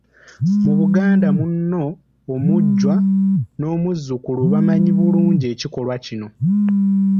Mu Buganda muno omujjwa n'omuzzukulu bamanyi bulungi ekikolwa kino.